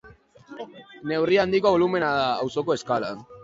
Neurri handiko bolumena da, auzoko eskalan.